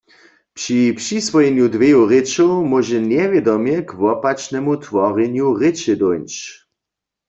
Při přiswojenju dweju rěčow móže njewědomje k wopačnemu tworjenju rěče dóńć.